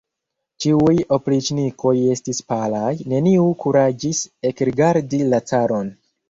Ĉiuj opriĉnikoj estis palaj; neniu kuraĝis ekrigardi la caron.